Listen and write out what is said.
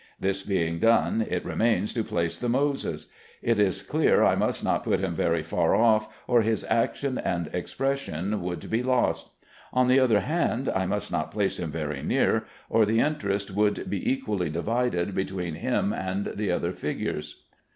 This being done, it remains to place the Moses. It is clear I must not put him very far off, or his action and expression would be lost. On the other hand, I must not place him very near, or the interest would be equally divided between him and the other figures.